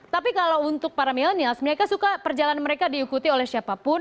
tapi kalau untuk para milenials mereka suka perjalanan mereka diikuti oleh siapapun